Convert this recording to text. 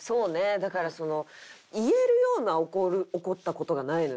だからその言えるような怒った事がないのよね。